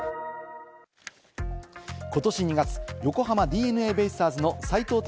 ことし２月、横浜ＤｅＮＡベイスターズの斎藤隆